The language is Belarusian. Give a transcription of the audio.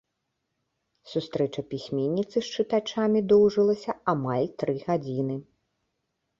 Сустрэча пісьменніцы з чытачамі доўжылася амаль тры гадзіны.